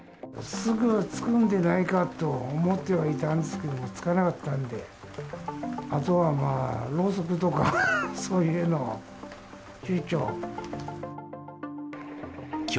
すぐつくんじゃないかと思ってはいたんですけれども、つかなかったんで、あとはまあ、ろうそくとかそういうのを急きょ。